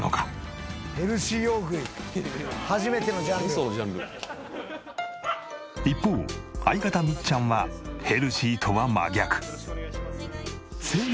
初めてのジャンル」一方相方みっちゃんはヘルシーとは真逆。